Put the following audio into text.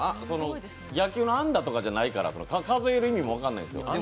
野球の安打とかじゃないから数える意味も分からないですよ。